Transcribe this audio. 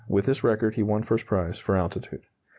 (With this record he won first prize for altitude.)